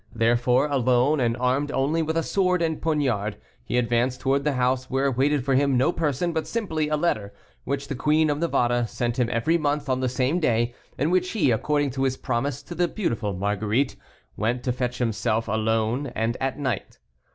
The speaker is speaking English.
Therefore, alone, and armed only with a sword and poniard, he advanced towards the house where waited for him no person, but simply a letter, which the Queen of Navarre sent him every month on the same day, and which he, according to his promise to the beautiful Marguerite, went to fetch himself, alone, and at night.